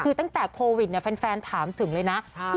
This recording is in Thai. คือตั้งแต่โควิดแฟนถามถึงเลยนะ